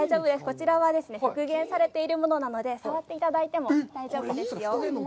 こちらは復元されているものなので、触っていただいても大丈夫ですよ。